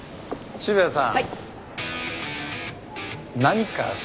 渋谷さん！